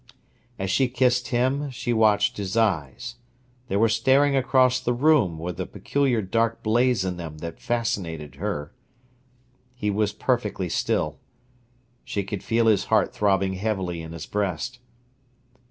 As she kissed him, she watched his eyes; they were staring across the room, with a peculiar dark blaze in them that fascinated her. He was perfectly still. She could feel his heart throbbing heavily in his breast.